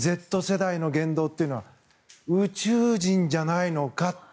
Ｚ世代の言動というのは宇宙人じゃないのか。